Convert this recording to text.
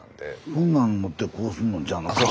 こんなん持ってこうすんのんちゃうの？